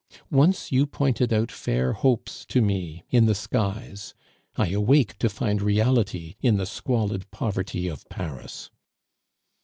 "Once you pointed out fair hopes to me in the skies, I awake to find reality in the squalid poverty of Paris.